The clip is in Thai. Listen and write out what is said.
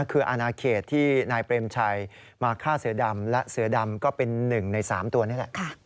คืออนาเขตที่นายเปรมชัยมาฆ่าเสือดำและเสือดำก็เป็น๑ใน๓ตัวนี่แหละ